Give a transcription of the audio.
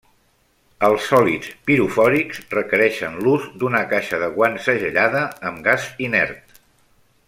Els sòlids pirofòrics requereixen l'ús d'una caixa de guants segellada amb gas inert.